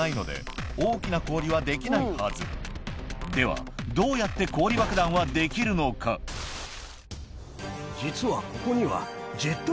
ここにはではどうやって氷爆弾はできるのか実は。